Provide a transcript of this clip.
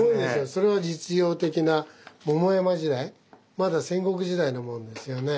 それは実用的な桃山時代まだ戦国時代のものですよね。